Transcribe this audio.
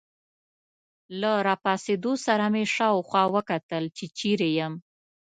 له راپاڅېدو سره مې شاوخوا وکتل، چې چیرې یم.